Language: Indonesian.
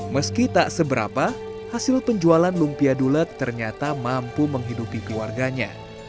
meski tak seberapa hasil penjualan lumpia dulek ternyata mampu menghidupi keluarganya